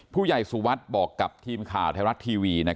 ผู้ใหญ่สุวัสดิ์บอกกับทีมข่าวไทยรัฐทีวี